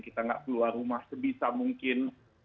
kita nggak keluar rumah sebisa mungkin